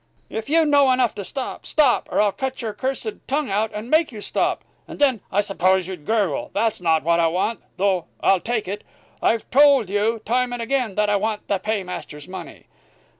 "If you know enough to stop. Stop! or I'll cut your cursed tongue out and make you stop. And then, I suppose, you'd gurgle. That's not what I want though I'll take it. I've told you, time and again, that I want the paymaster's money.